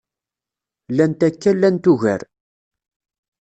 Llant akka llant ugar